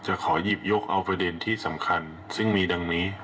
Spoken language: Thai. ขอหยิบยกเอาประเด็นที่สำคัญซึ่งมีดังนี้